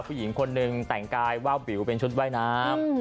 ผู้หญิงคนนึงแต่งกายวาบบิวเป็นชุดใบน้ำ